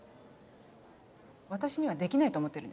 私にはできないと思ってるんですか？